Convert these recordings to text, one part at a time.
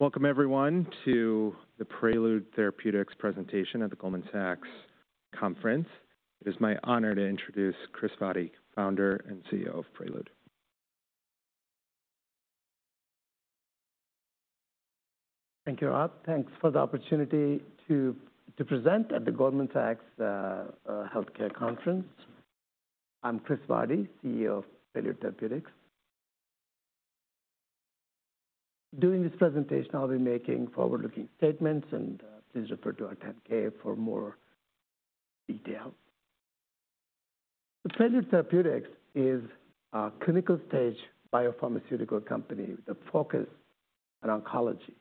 Welcome everyone to the Prelude Therapeutics Presentation at the Goldman Sachs Conference. It is my honor to introduce Kris Vaddi, Founder and CEO of Prelude. Thank you, Rob. Thanks for the opportunity to present at the Goldman Sachs Healthcare Conference. I'm Kris Vaddi, CEO of Prelude Therapeutics. During this presentation, I'll be making forward-looking statements, and please refer to our 10-K for more detail. Prelude Therapeutics is a clinical-stage biopharmaceutical company with a focus on oncology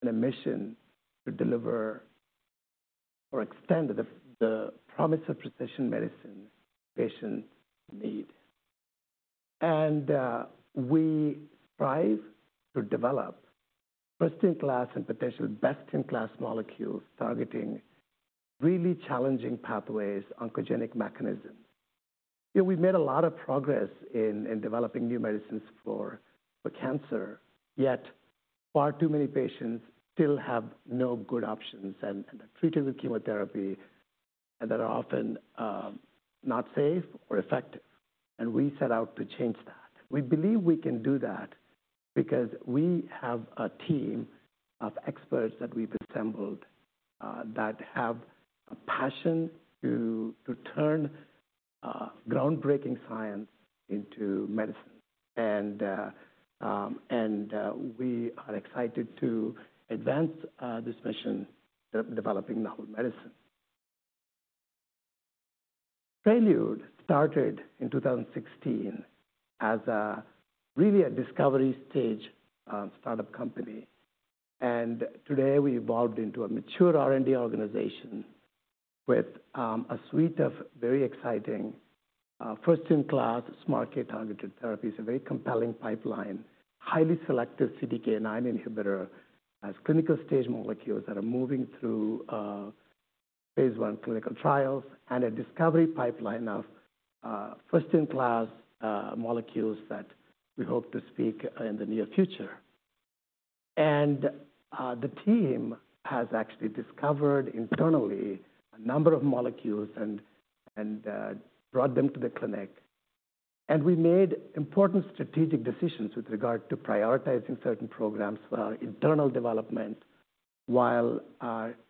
and a mission to deliver or extend the promise of precision medicine patients need. And we strive to develop first-in-class and potential best-in-class molecules, targeting really challenging pathways, oncogenic mechanisms. We've made a lot of progress in developing new medicines for cancer, yet far too many patients still have no good options and are treated with chemotherapy, and that are often not safe or effective, and we set out to change that. We believe we can do that because we have a team of experts that we've assembled that have a passion to turn groundbreaking science into medicine. We are excited to advance this mission of developing novel medicine. Prelude started in 2016 as really a discovery stage startup company, and today we evolved into a mature R&D organization with a suite of very exciting first-in-class SMARCA2-targeted therapies, a very compelling pipeline, highly selective CDK9 inhibitor, as clinical stage molecules that are moving through phase I clinical trials and a discovery pipeline of first-in-class molecules that we hope to speak in the near future. The team has actually discovered internally a number of molecules and brought them to the clinic. We made important strategic decisions with regard to prioritizing certain programs for our internal development, while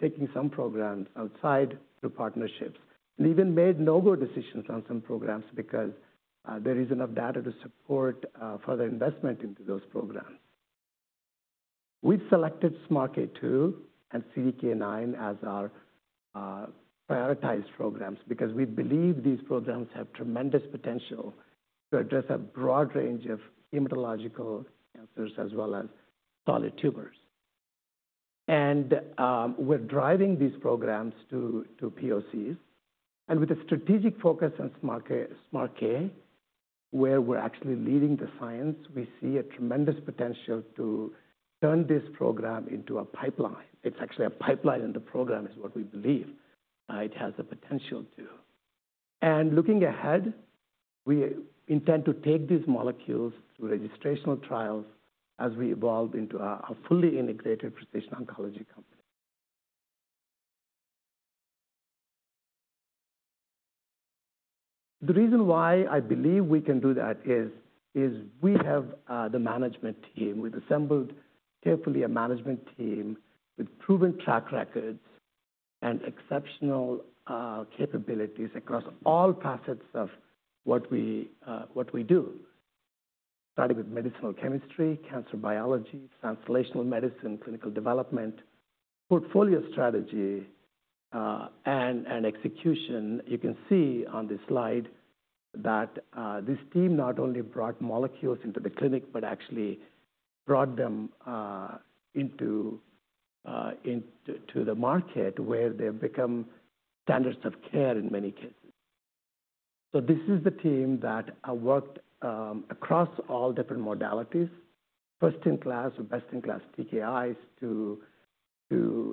taking some programs outside through partnerships, and even made no-go decisions on some programs because there isn't enough data to support further investment into those programs. We've selected SMARCA2 and CDK9 as our prioritized programs because we believe these programs have tremendous potential to address a broad range of hematological cancers as well as solid tumors. We're driving these programs to POCs, and with a strategic focus on SMARCA, where we're actually leading the science, we see a tremendous potential to turn this program into a pipeline. It's actually a pipeline in the program, is what we believe, it has the potential to. Looking ahead, we intend to take these molecules through registrational trials as we evolve into a fully integrated precision oncology company. The reason why I believe we can do that is we have the management team. We've assembled carefully a management team with proven track records and exceptional capabilities across all facets of what we do. Starting with medicinal chemistry, cancer biology, translational medicine, clinical development, portfolio strategy, and execution. You can see on this slide that this team not only brought molecules into the clinic, but actually brought them into the market, where they've become standards of care in many cases. This is the team that I worked across all different modalities, first-in-class or best-in-class TKIs to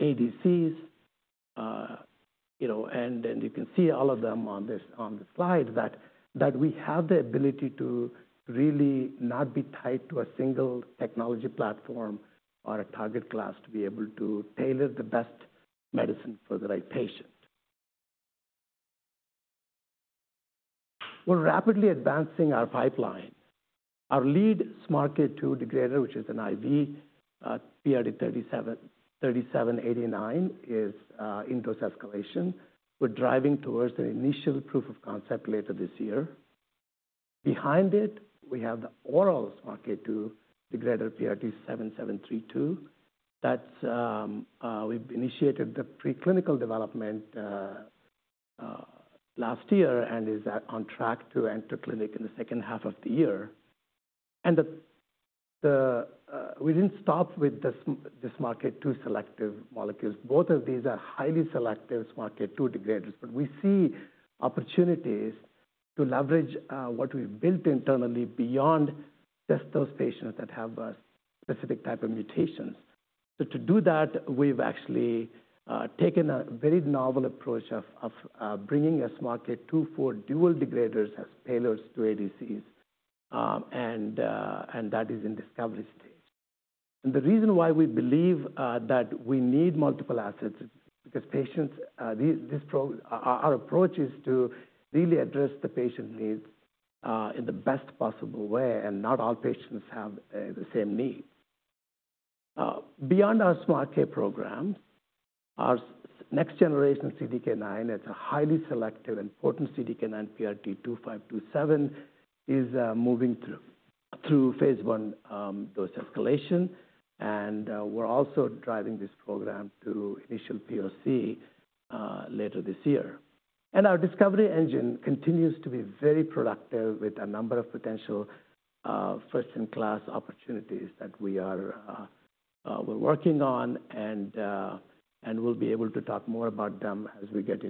ADCs. You can see all of them on this slide, that we have the ability to really not be tied to a single technology platform or a target class, to be able to tailor the best medicine for the right patient. We're rapidly advancing our pipeline. Our lead SMARCA2 degrader, which is an IV PRT3789, is in dose escalation. We're driving towards an initial proof of concept later this year. Behind it, we have the oral SMARCA2 degrader, PRT7732, that's we've initiated the preclinical development last year and is on track to enter clinic in the second half of the year. And we didn't stop with this SMARCA2 selective molecules. Both of these are highly selective SMARCA2 degraders, but we see opportunities to leverage what we've built internally beyond just those patients that have specific type of mutations. So to do that, we've actually taken a very novel approach of bringing SMARCA4 dual degraders as payloads to ADCs, and that is in discovery stage. And the reason why we believe that we need multiple assets is because patients, our approach is to really address the patient needs in the best possible way, and not all patients have the same needs. Beyond our SMARCA program, our next-generation CDK9 is a highly selective and potent CDK9 PRT2527, is moving through phase I dose escalation. And we're also driving this program through initial POC later this year. Our discovery engine continues to be very productive with a number of potential first-in-class opportunities that we're working on, and we'll be able to talk more about them as we get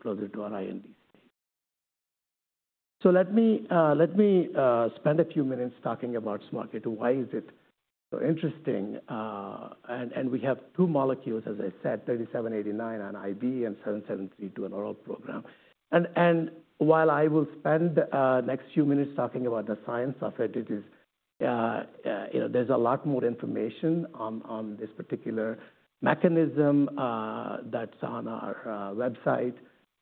closer to our IND. So let me spend a few minutes talking about SMARCA2. Why is it so interesting? And we have two molecules, as I said, 3789 in IV and 7732, an oral program. And while I will spend next few minutes talking about the science of it, there's a lot more information on this particular mechanism that's on our website.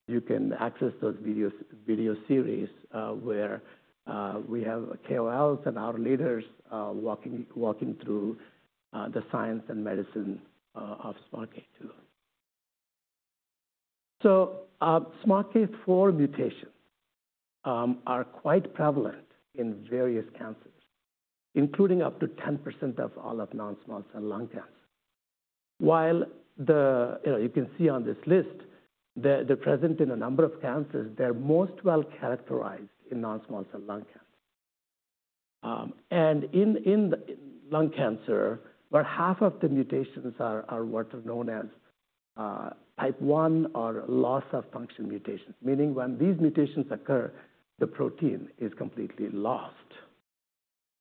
You can access those video series, where we have KOLs and our leaders walking through the science and medicine of SMARCA2. So, SMARCA4 mutations are quite prevalent in various cancers, including up to 10% of all of non-small cell lung cancer. You can see on this list, they're present in a number of cancers, they're most well-characterized in non-small cell lung cancer. And in the lung cancer, about half of the mutations are what are known as type one or loss-of-function mutations, meaning when these mutations occur, the protein is completely lost.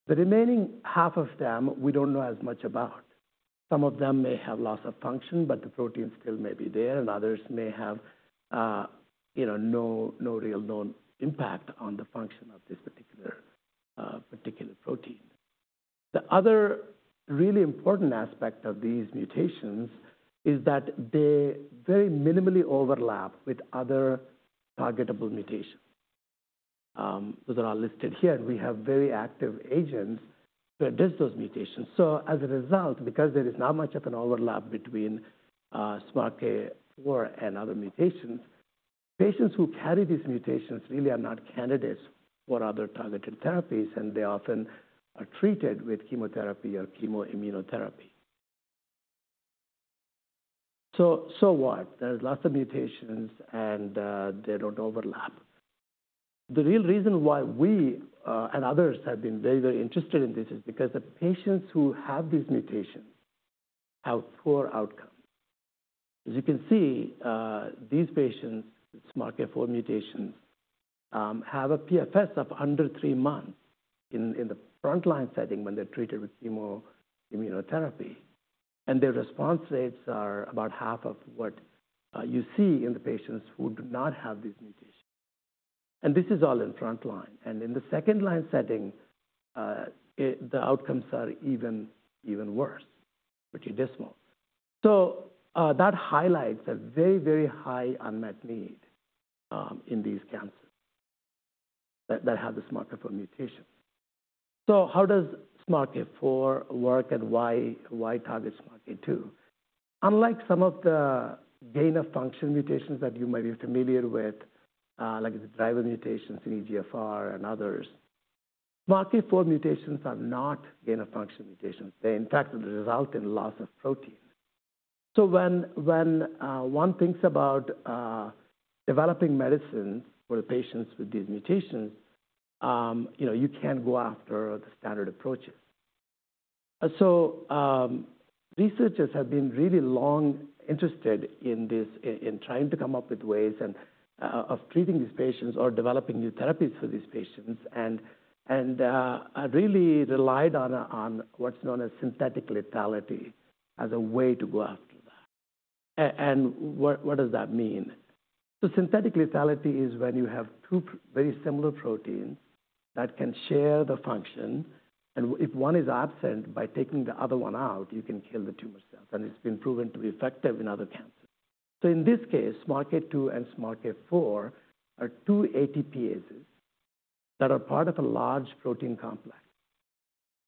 The remaining half of them, we don't know as much about. Some of them may have loss of function, but the protein still may be there, and others may have no real known impact on the function of this particular, particular protein. The other really important aspect of these mutations is that they very minimally overlap with other targetable mutations, that are listed here, and we have very active agents to address those mutations. So as a result, because there is not much of an overlap between, SMARCA4 and other mutations, patients who carry these mutations really are not candidates for other targeted therapies, and they often are treated with chemotherapy or chemoimmunotherapy. So, so what? There's lots of mutations, and, they don't overlap. The real reason why we, and others have been very, very interested in this is because the patients who have these mutations have poor outcome. As you can see, these patients with SMARCA4 mutations have a PFS of under three months in the frontline setting when they're treated with chemoimmunotherapy, and their response rates are about half of what you see in the patients who do not have these mutations. This is all in frontline. In the second line setting, the outcomes are even worse, pretty dismal. That highlights a very, very high unmet need in these cancers that have the SMARCA4 mutation. How does SMARCA4 work, and why target SMARCA2? Unlike some of the gain-of-function mutations that you might be familiar with, like the driver mutations in EGFR and others, SMARCA4 mutations are not gain-of-function mutations. They, in fact, result in loss of protein. So when one thinks about developing medicines for the patients with these mutations, you can't go after the standard approaches. So researchers have been really long interested in this, trying to come up with ways of treating these patients or developing new therapies for these patients, and really relied on what's known as synthetic lethality as a way to go after that. And what does that mean? So synthetic lethality is when you have two very similar proteins that can share the function, and if one is absent, by taking the other one out, you can kill the tumor cells, and it's been proven to be effective in other cancers. So in this case, SMARCA2 and SMARCA4 are two ATPases that are part of a large protein complex.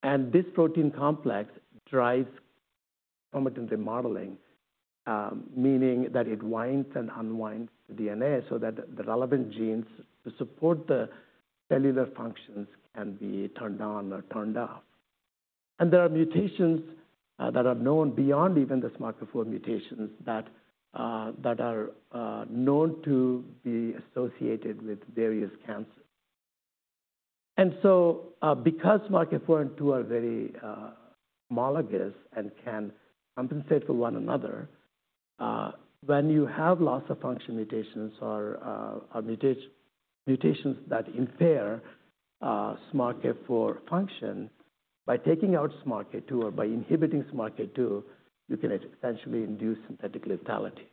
And this protein complex drives chromatin remodeling, meaning that it winds and unwinds the DNA so that the relevant genes to support the cellular functions can be turned on or turned off. And there are mutations that are known beyond even the SMARCA4 mutations that are known to be associated with various cancers. And so, because SMARCA4 and SMARCA2 are very homologous and can compensate for one another, when you have loss-of-function mutations or mutations that impair SMARCA4 function, by taking out SMARCA2 or by inhibiting SMARCA2, you can essentially induce synthetic lethality.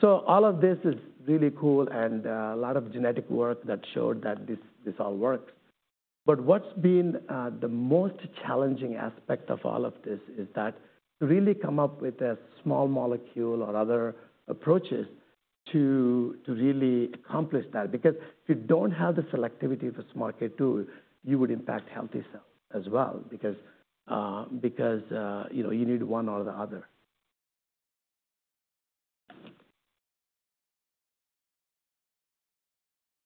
So all of this is really cool and a lot of genetic work that showed that this all works. But what's been the most challenging aspect of all of this, is that to really come up with a small molecule or other approaches to really accomplish that. Because if you don't have the selectivity for SMARCA2, you would impact healthy cells as well, because you need one or the other.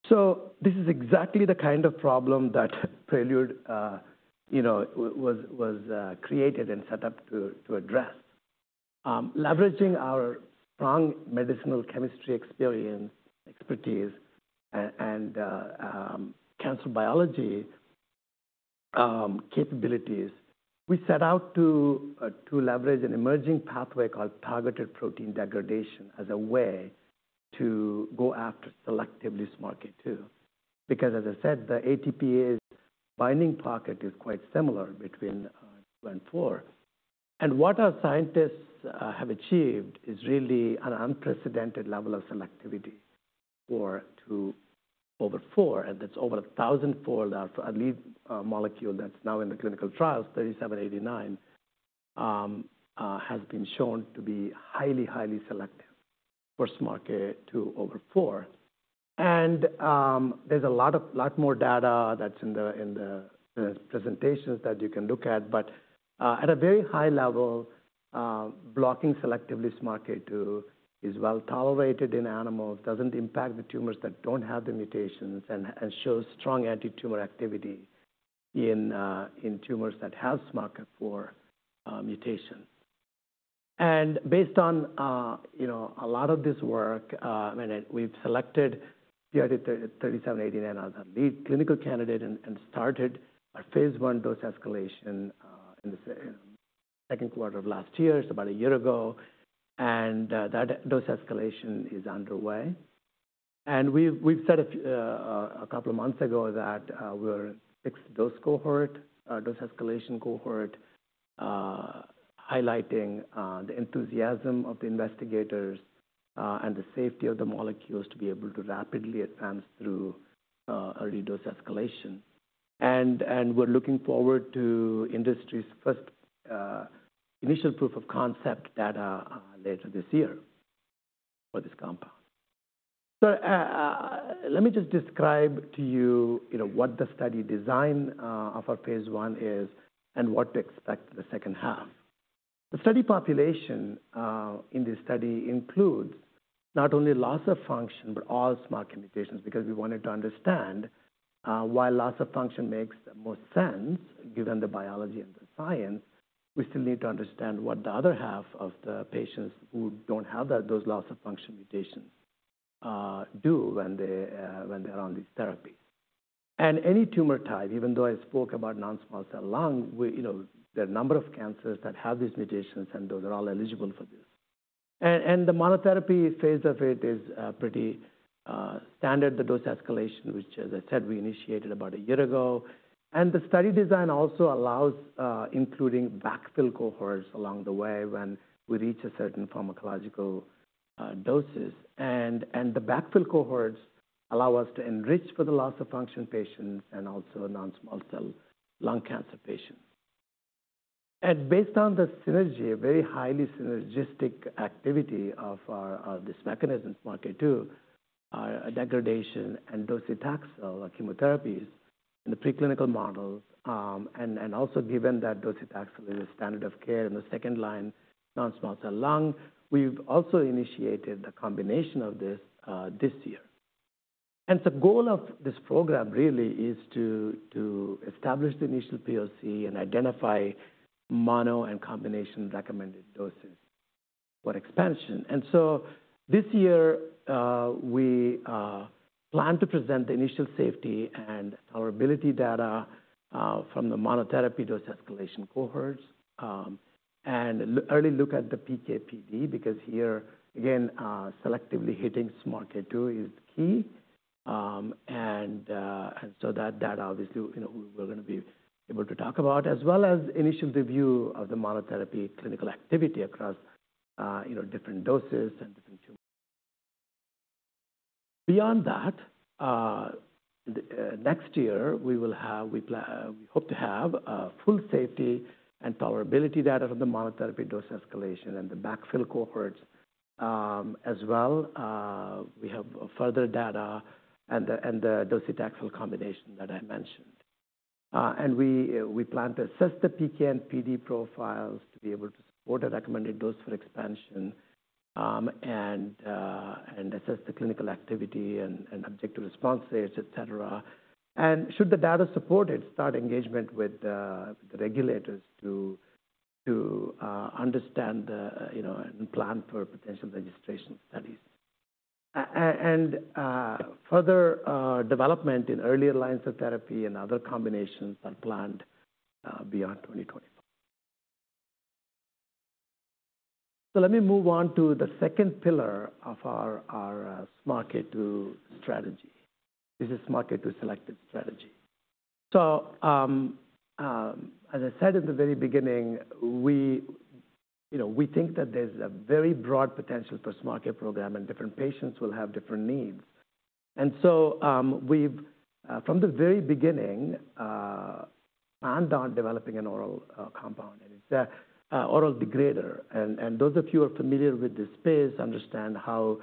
So this is exactly the kind of problem that Prelude was created and set up to address. Leveraging our strong medicinal chemistry experience, expertise, and cancer biology capabilities, we set out to leverage an emerging pathway called targeted protein degradation, as a way to go after selectively SMARCA2. Because as I said, the ATPase binding pocket is quite similar between two and four. What our scientists have achieved is really an unprecedented level of selectivity for SMARCA2 over SMARCA4, and that's over 1,000-fold. Our lead molecule that's now in the clinical trials, 3789, has been shown to be highly, highly selective for SMARCA2 over SMARCA4. There's a lot more data that's in the presentations that you can look at. But at a very high level, blocking selectively SMARCA2 is well-tolerated in animals, doesn't impact the tumors that don't have the mutations, and shows strong antitumor activity in tumors that have SMARCA4 mutation. And based on a lot of this work, and we've selected PRT3789 as our lead clinical candidate and started our phase I dose escalation in the second quarter of last year, so about a year ago. And that dose escalation is underway. And we've said a couple of months ago that we're fixed dose cohort dose escalation cohort, highlighting the enthusiasm of the investigators and the safety of the molecules to be able to rapidly advance through early dose escalation. And we're looking forward to the industry's first initial proof of concept data later this year for this compound. So let me just describe to you what the study design of our phase I is and what to expect in the second half. The study population in this study includes not only loss of function, but all SMARCA mutations, because we wanted to understand, while loss of function makes the most sense, given the biology and the science, we still need to understand what the other half of the patients who don't have that, those loss of function mutations, do when they, when they're on this therapy. And any tumor type, even though I spoke about non-small cell lung there are a number of cancers that have these mutations, and those are all eligible for this. And the monotherapy phase of it is, pretty, standard. The dose escalation, which as I said, we initiated about a year ago. And the study design also allows, including backfill cohorts along the way when we reach a certain pharmacological doses. The backfill cohorts allow us to enrich for the loss-of-function patients and also non-small cell lung cancer patients. Based on the synergy, a very highly synergistic activity of this mechanism, SMARCA2 degradation and docetaxel, a chemotherapy in the preclinical models, and also given that docetaxel is the standard of care in the second line, non-small cell lung, we've also initiated a combination of this this year. The goal of this program really is to establish the initial POC and identify mono and combination-recommended doses for expansion. So this year, we plan to present the initial safety and tolerability data from the monotherapy dose escalation cohorts. An early look at the PK/PD, because here, again, selectively hitting SMARCA2 is key. And so that obviously, we're gonna be able to talk about, as well as initial review of the monotherapy clinical activity across different doses and different tumors. Beyond that, the next year, we will have, we hope to have a full safety and tolerability data from the monotherapy dose escalation and the backfill cohorts. As well, we have further data and the docetaxel combination that I mentioned. And we plan to assess the PK and PD profiles to be able to support a recommended dose for expansion, and assess the clinical activity and objective response rates, et cetera. And should the data support it, start engagement with the regulators to understand the plan for potential registration studies. And further development in earlier lines of therapy and other combinations are planned beyond 2020. So let me move on to the second pillar of our SMARCA4 strategy. This is SMARCA4 selective strategy. So, as I said at the very beginning we think that there's a very broad potential for SMARCA4 program, and different patients will have different needs. And so, we've from the very beginning and on developing an oral compound, and it's a oral degrader. And those of you who are familiar with this space understand how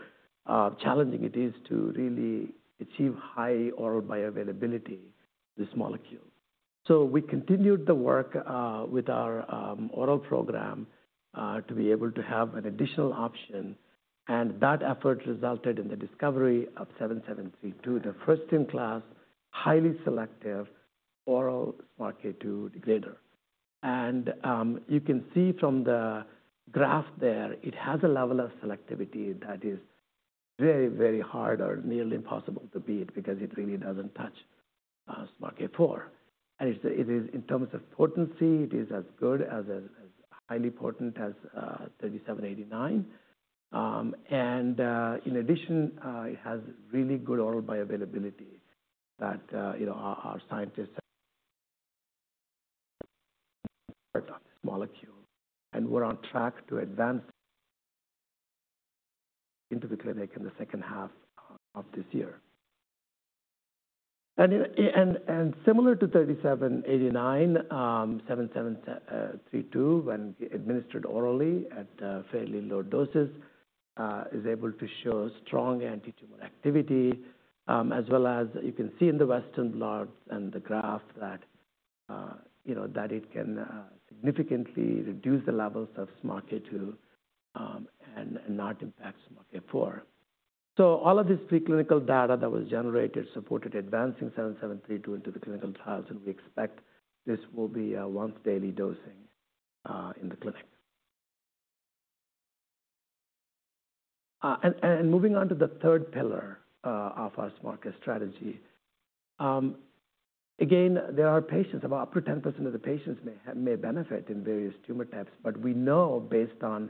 challenging it is to really achieve high oral bioavailability, this molecule. So we continued the work with our oral program to be able to have an additional option, and that effort resulted in the discovery of PRT7732, the first-in-class, highly selective oral SMARCA2 degrader. And you can see from the graph there, it has a level of selectivity that is very, very hard or nearly impossible to beat because it really doesn't touch SMARCA4. And it is, in terms of potency, it is as good as, as, as highly potent as PRT3789. And in addition, it has really good oral bioavailability that our scientists molecule, and we're on track to advance into the clinic in the second half of this year. And similar to 3789, 7732, when administered orally at fairly low doses, is able to show strong antitumor activity. As well as you can see in the Western blot and the graph that it can significantly reduce the levels of SMARCA2 and not impact SMARCA4. So all of this preclinical data that was generated supported advancing 7732 into the clinical trials, and we expect this will be a once-daily dosing in the clinic. And moving on to the third pillar of our SMARCA4 strategy. Again, there are patients, about up to 10% of the patients may benefit in various tumor types, but we know based on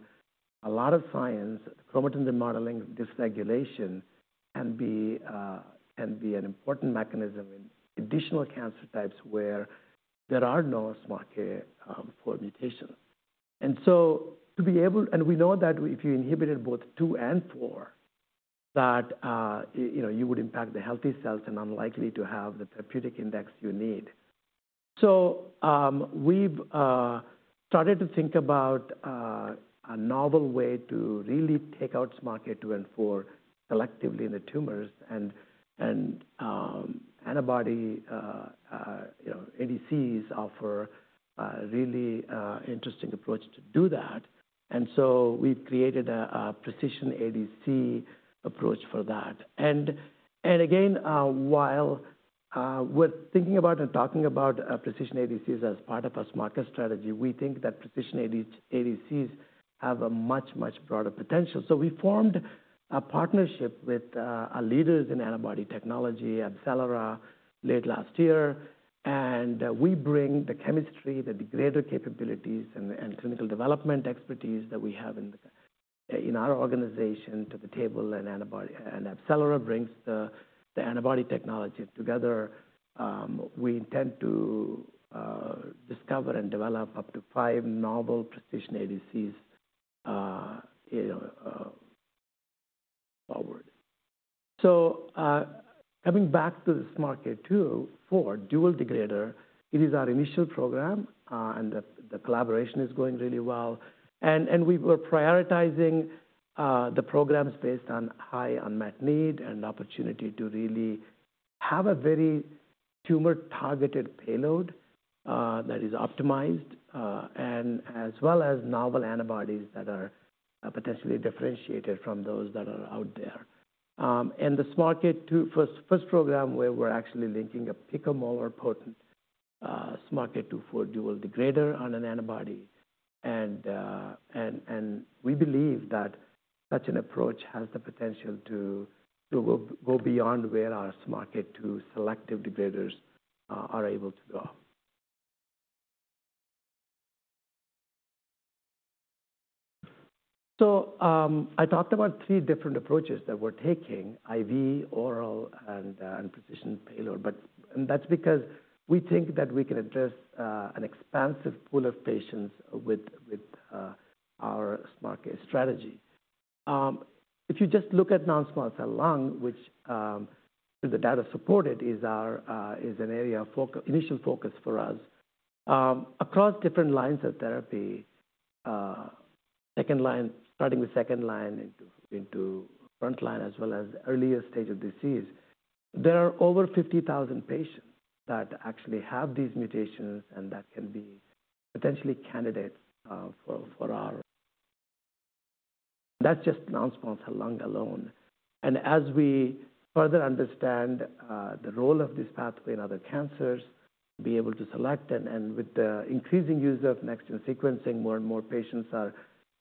a lot of science, chromatin remodeling dysregulation can be an important mechanism in additional cancer types where there are no SMARCA4 mutations. And so to be able and we know that if you inhibited both two and four, that you would impact the healthy cells and unlikely to have the therapeutic index you need. So, we've started to think about a novel way to really take out SMARCA2 and 4 selectively in the tumors and antibody ADCs offer a really interesting approach to do that. And so we've created a precision ADC approach for that. Again, while we're thinking about and talking about precision ADCs as part of our SMARCA4 strategy, we think that precision ADCs have a much, much broader potential. So we formed a partnership with leaders in antibody technology, AbCellera, late last year. We bring the chemistry, the degrader capabilities, and clinical development expertise that we have in our organization to the table, and antibody. AbCellera brings the antibody technology. Together, we intend to discover and develop up to 5 novel precision ADCs forward. So, coming back to this SMARCA4 dual degrader, it is our initial program, and the collaboration is going really well. We were prioritizing the programs based on high unmet need and opportunity to really have a very tumor-targeted payload that is optimized and as well as novel antibodies that are potentially differentiated from those that are out there. And the SMARCA4/2 first program, where we're actually linking a picomolar-potent SMARCA4/2 dual degrader on an antibody. And we believe that such an approach has the potential to go beyond where our SMARCA2 selective degraders are able to go. So, I talked about three different approaches that we're taking: IV, oral, and precision payload. But. And that's because we think that we can address an expansive pool of patients with our SMARCA4 strategy. If you just look at non-small cell lung, which, the data supported, is our, is an area of focus, initial focus for us. Across different lines of therapy, second line, starting with second line into, into front line, as well as earlier stage of disease, there are over 50,000 patients that actually have these mutations and that can be potentially candidates, for, for our... That's just non-small cell lung alone. And as we further understand, the role of this pathway in other cancers, be able to select, and, and with the increasing use of next-gen sequencing, more and more patients are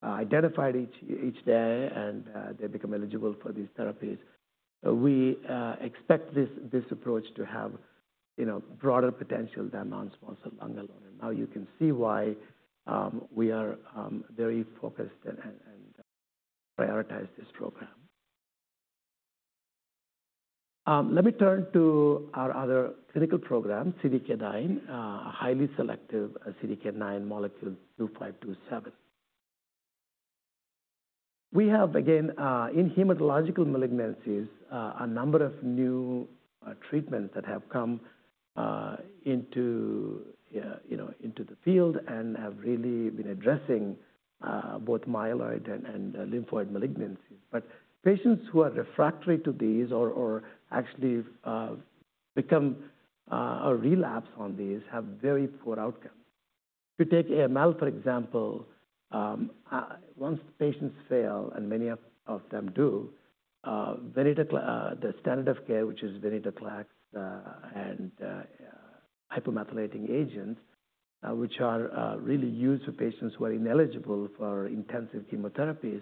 identified each day, and, they become eligible for these therapies. We expect this, this approach to have broader potential than NSCLC alone. Now you can see why we are very focused and prioritize this program. Let me turn to our other clinical program, CDK9, a highly selective CDK9 molecule, 2527. We have, again, in hematological malignancies, a number of new treatments that have come into the field and have really been addressing both myeloid and lymphoid malignancies. But patients who are refractory to these or actually become a relapse on these have very poor outcomes. If you take AML, for example, once patients fail, and many of them do, the standard of care, which is venetoclax, and hypomethylating agents, which are really used for patients who are ineligible for intensive chemotherapies,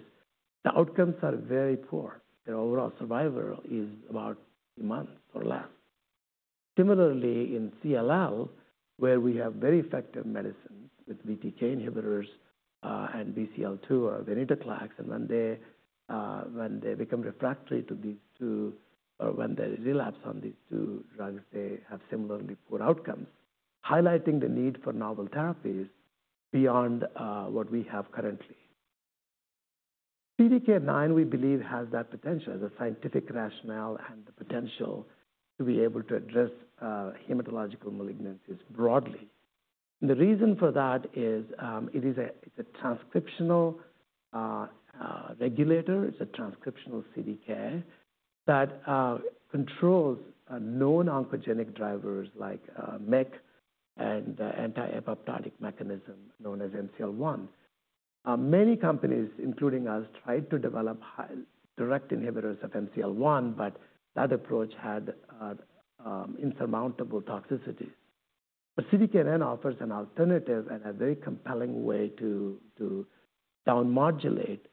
the outcomes are very poor. Their overall survival is about a month or less. Similarly, in CLL, where we have very effective medicines with BTK inhibitors, and BCL-2 or venetoclax, and when they become refractory to these two, or when they relapse on these two drugs, they have similarly poor outcomes, highlighting the need for novel therapies beyond what we have currently. CDK9, we believe, has that potential, the scientific rationale and the potential to be able to address hematological malignancies broadly. And the reason for that is, it is a, it's a transcriptional regulator. It's a transcriptional CDK that controls known oncogenic drivers like MYC and the anti-apoptotic mechanism known as MCL1. Many companies, including us, tried to develop direct inhibitors of MCL1, but that approach had insurmountable toxicities. But CDK9 offers an alternative and a very compelling way to down-modulate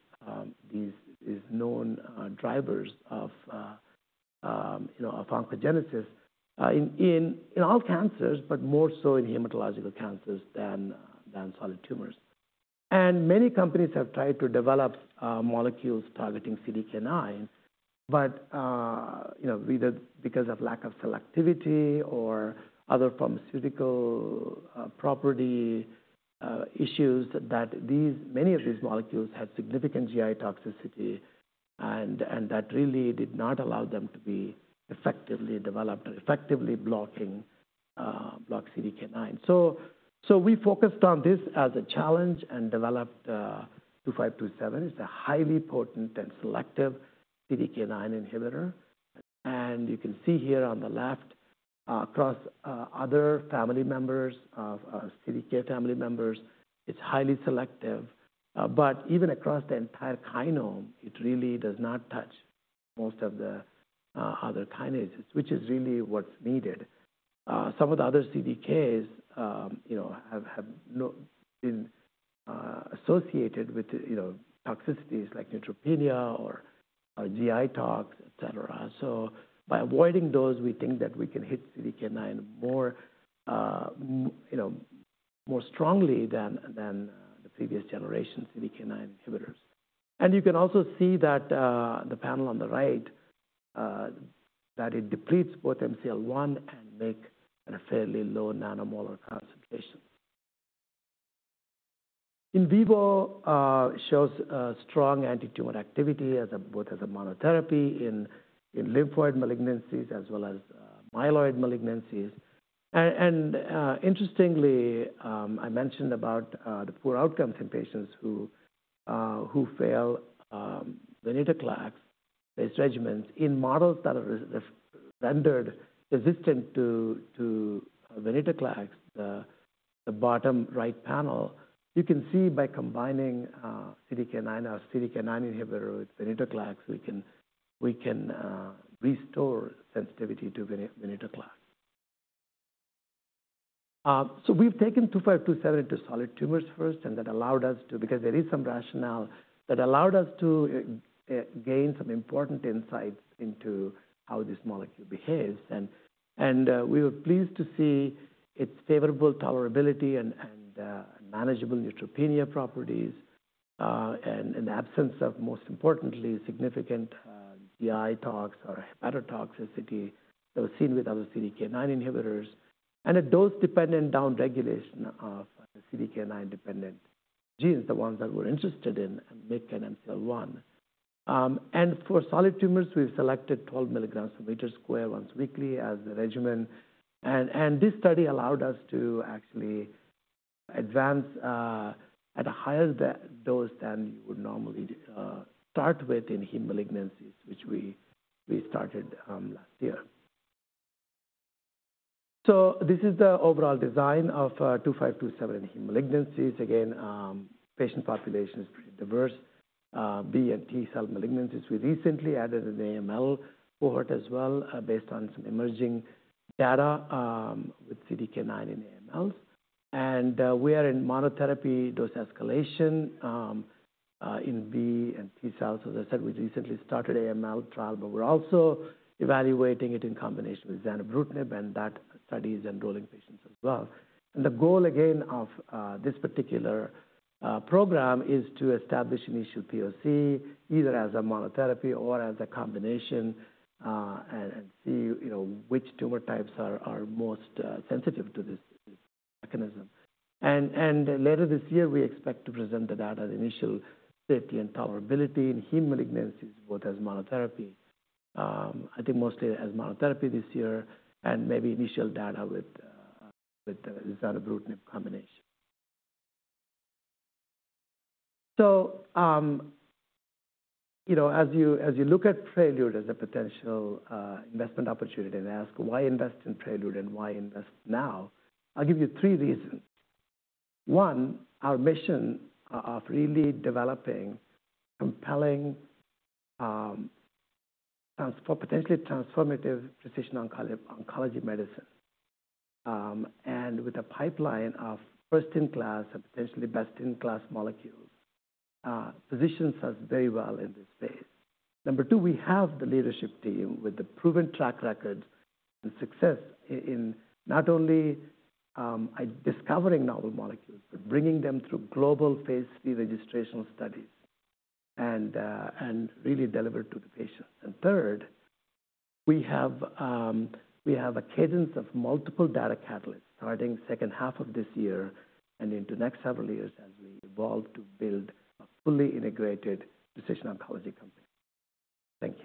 these known drivers of oncogenesis in all cancers, but more so in hematological cancers than solid tumors. And many companies have tried to develop molecules targeting CDK9, either because of lack of selectivity or other pharmaceutical property issues that many of these molecules had significant GI toxicity, and that really did not allow them to be effectively developed or effectively block CDK9. So we focused on this as a challenge and developed PRT2527. It's a highly potent and selective CDK9 inhibitor. And you can see here on the left across other family members of CDK family members, it's highly selective. But even across the entire kinome, it really does not touch most of the other kinases, which is really what's needed. Some of the other CDKs have been associated with toxicities like neutropenia or GI tox, et cetera. So by avoiding those, we think that we can hit CDK9 more strongly than the previous generation CDK9 inhibitors. And you can also see that the panel on the right that it depletes both MCL1 and MYC at a fairly low nanomolar concentration. In vivo shows strong antitumor activity as both as a monotherapy in lymphoid malignancies as well as myeloid malignancies. Interestingly, I mentioned about the poor outcomes in patients who fail venetoclax-based regimens in models that are rendered resistant to venetoclax, the bottom right panel. You can see by combining CDK9, our CDK9 inhibitor with venetoclax, we can restore sensitivity to venetoclax. So we've taken PRT2527 to solid tumors first, and that allowed us to. Because there is some rationale, that allowed us to gain some important insights into how this molecule behaves. We were pleased to see its favorable tolerability and manageable neutropenia properties, and an absence of, most importantly, significant GI tox or hepatotoxicity that was seen with other CDK9 inhibitors, and a dose-dependent downregulation of CDK9-dependent genes, the ones that we're interested in, MYC and MCL1. And for solid tumors, we've selected 12 milligrams per meter square once weekly as the regimen. And this study allowed us to actually advance at a higher dose than you would normally start with in heme malignancies, which we started last year. So this is the overall design of 2527 in heme malignancies. Again, patient population is pretty diverse. B and T cell malignancies. We recently added an AML cohort as well, based on some emerging data with CDK9 and AMLs. And we are in monotherapy dose escalation in B and T cells. As I said, we recently started AML trial, but we're also evaluating it in combination with zanubrutinib, and that study is enrolling patients as well. And the goal, again, of this particular program, is to establish initial POC, either as a monotherapy or as a combination, and see which tumor types are most sensitive to this mechanism. And later this year, we expect to present the data on initial safety and tolerability in heme malignancies, both as monotherapy, I think mostly as monotherapy this year, and maybe initial data with the zanubrutinib combination. As you look at Prelude as a potential investment opportunity and ask, "Why invest in Prelude, and why invest now?" I'll give you three reasons. One, our mission of really developing compelling, potentially transformative precision oncology medicine. And with a pipeline of first-in-class and potentially best-in-class molecules, positions us very well in this space. Number two, we have the leadership team with a proven track record and success in not only discovering novel molecules, but bringing them through global phase III registrational studies and really deliver to the patient. And third, we have a cadence of multiple data catalysts starting second half of this year and into next several years as we evolve to build a fully integrated precision oncology company. Thank you.